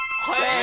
はい。